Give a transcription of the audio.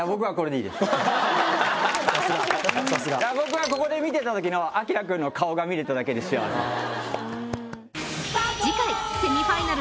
さすが僕はここで見てた時のアキラくんの顔が見れただけで幸せです